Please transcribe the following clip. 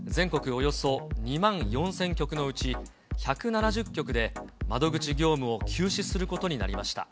およそ２万４０００局のうち、１７０局で窓口業務を休止することになりました。